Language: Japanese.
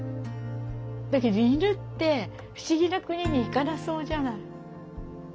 だけど犬って不思議な国に行かなそうじゃない。